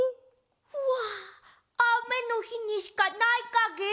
わああめのひにしかないかげ？